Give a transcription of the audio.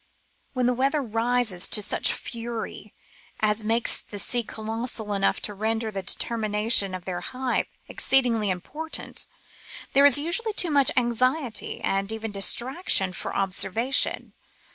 When the weather rises to such fury as makes the seas colossal enough to render the determination of their height exceedingly important, there is usually too much anxiety, and even distraction, for observation.